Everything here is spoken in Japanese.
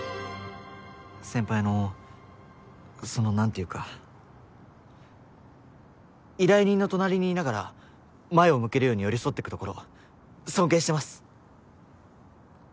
先輩のそのなんというか依頼人の隣にいながら前を向けるように寄り添ってくところ尊敬してます。